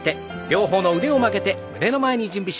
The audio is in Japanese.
両方の腕を曲げて胸の前に。